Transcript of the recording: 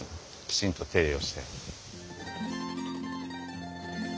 きちんと手入れをして。